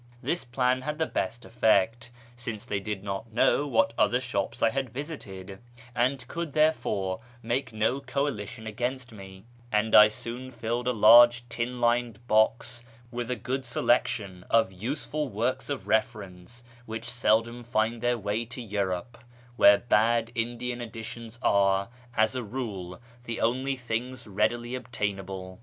This plan had the best effect, since they did not know what other shops I had visited, and could, therefore, make no coalition against me ; and I soon filled a large tin lined box with a good selection of useful FROM KIRMAN to ENGLAND 551 works of reference which seldom find their way to Europe, where bad Indian editions are, as a rule, the only things readily obtainable.